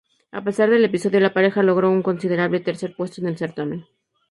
A pesar del episodio, la pareja logró un considerable tercer puesto en el certamen.